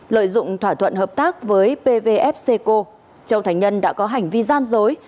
lợi dụng thỏa thuận hợp tác với pvfc châu thành nhân đã có hành vi gian dối